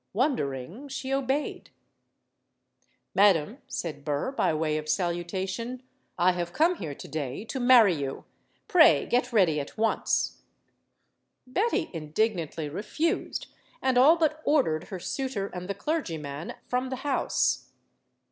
Wonder ing, she obeyed. *'Madam," said Burr, by way of salutation, "I have come here to day to marry you. Pray get ready at once!" Betty indignantly refused, and all but ordered her suitor and the clergyman from the house.